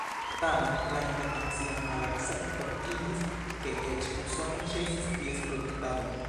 Tamen la internacia malakcepto igis, ke eĉ Usono ĉesis ties produktadon.